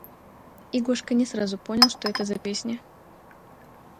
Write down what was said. и Гошка не сразу понял, что это за песня